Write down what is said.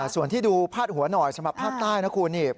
ส่วนที่ดูพาดหัวหน่อยสำหรับภาคใต้นะคุณนี่